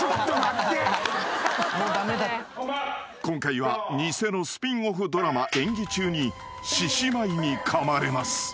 ［今回は偽のスピンオフドラマ演技中に獅子舞にかまれます］